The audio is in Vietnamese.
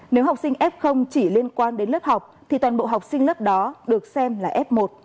nếu học sinh f chỉ liên quan đến lớp học thì toàn bộ học sinh lớp đó được xem là f một